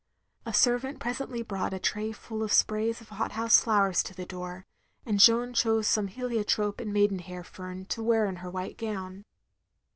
A servant presently brought a tray full of sprays of hothouse flowers to the door, and Jeanne chose some heliotrope and maidenhair fern to wear with her white gown.